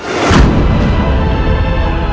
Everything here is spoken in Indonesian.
saya pastikan karyanya jadi nicht wider tram